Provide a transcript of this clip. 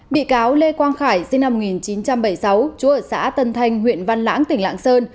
bị cáo lê quang khải sinh năm một nghìn chín trăm bảy mươi sáu chú ở xã tân thanh huyện văn lãng tỉnh lạng sơn